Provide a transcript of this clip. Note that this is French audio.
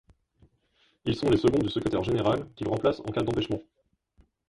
Ils sont les seconds du Secrétaire général, qu'ils remplacent en cas d'empêchement.